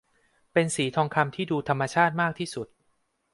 เป็นสีทองคำที่ดูธรรมชาติมากที่สุด